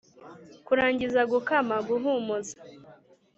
kurangiza gukama guhumuza